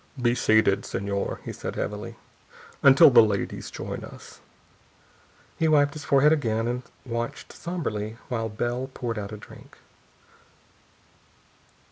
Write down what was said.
"Be seated, Señor," he said heavily, "until the ladies join us." He wiped his forehead again and watched somberly while Bell poured out a drink.